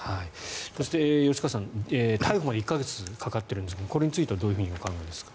そして吉川さん逮捕まで１か月かかっているんですがこれについてはどういうふうにお考えですか？